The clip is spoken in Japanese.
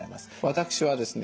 私はですね